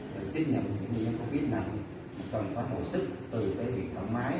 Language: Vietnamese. để tiếp nhận những nguyên nhân covid nặng cần có hồi sức từ cái việc thẩm máy